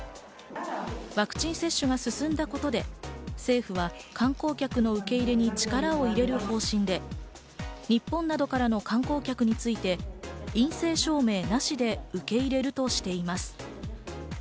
ワクチン接種が進んだことで、政府は観光客の受け入れに力を入れる方針で、日本などからの観光客について、陰性証明なしで受け入れるとしています。